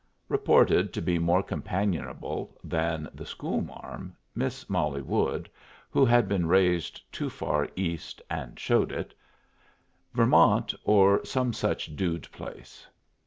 Reported to be more companionable than the school marm, Miss Molly Wood, who had been raised too far east, and showed it. Vermont, or some such dude place.